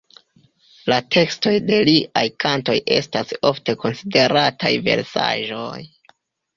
La tekstoj de liaj kantoj estas ofte konsiderataj versaĵoj.